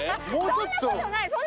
そんなことない！